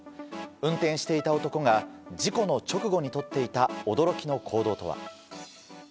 運転していた男が事故の直後に取っていた驚きの行動とは。